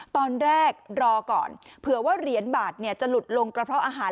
ตอนแรกรอก่อนเผื่อว่าเหรียญบาทจะหลุดลงกระเพาะอาหาร